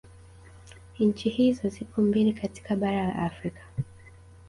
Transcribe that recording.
Nchi hizi zipo mbili katika bara la Afrika